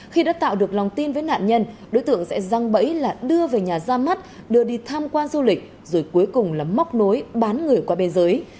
khi đã tạo được lòng tin với nạn nhân đối tượng sẽ răng bẫy là đưa về nhà ra mắt đưa đi tham quan du lịch rồi cuối cùng là móc nối bán người qua biên giới